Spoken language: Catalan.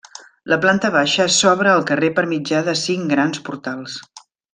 La planta baixa s'obre al carrer per mitjà de cinc grans portals.